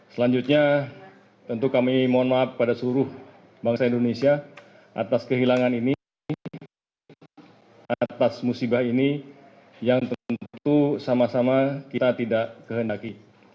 selanjutnya tentu kami mohon maaf pada seluruh bangsa indonesia atas kehilangan ini atas musibah ini yang tentu sama sama kita tidak kehendaki